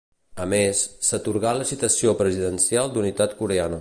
A més, s'atorgà la Citació Presidencial d'Unitat coreana.